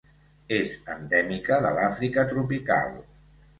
És endèmica de l'Àfrica tropical.